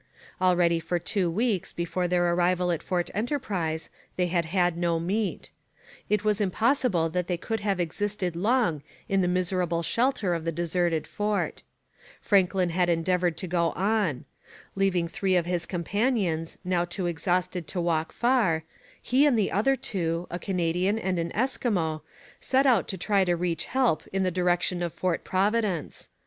Already for two weeks before their arrival at Fort Enterprise they had had no meat. It was impossible that they could have existed long in the miserable shelter of the deserted fort. Franklin had endeavoured to go on. Leaving three of his companions, now too exhausted to walk far, he and the other two, a Canadian and an Eskimo, set out to try to reach help in the direction of Fort Providence.